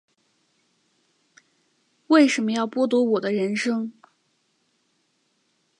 为什么要剥夺我的人生